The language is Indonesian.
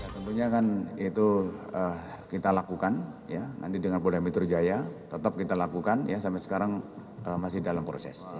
tentunya kan itu kita lakukan ya nanti dengan polda metro jaya tetap kita lakukan ya sampai sekarang masih dalam proses